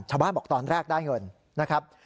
ชาวบ้านบอกตอนแรกได้เงินนะครับ